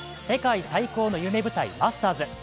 世界最高の夢舞台、マスターズ。